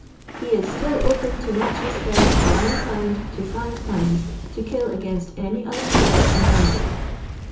He is still open to match his Ferret for £\ to jE,'5 to kill aKainst any other Ferret in London.